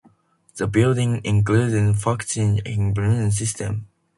The building includes a functioning hypocaust system.